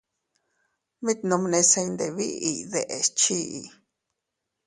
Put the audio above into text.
Mit nomnese iyndebiʼiy deʼes chii.